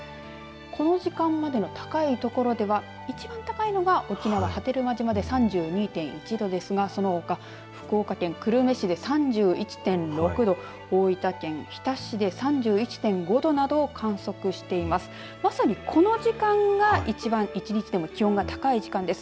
この時間までの高い所では一番高いのが沖縄、波照間島で３２．１度ですが、そのほか福岡県久留米市で３１．６度大分県日田市で３１．５度など観測しています。